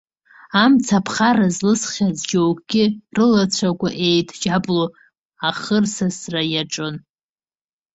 Амца аԥхара злысхьаз џьоукгьы, рылацәақәа еидҷабло, ахырсысра иаҿын.